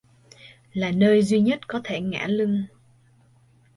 Là nơi duy nhất có thể ngả lưng